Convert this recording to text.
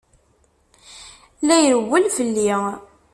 La irewwel fell-i.